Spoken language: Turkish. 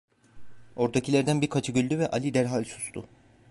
Oradakilerden birkaçı güldü ve Ali derhal sustu.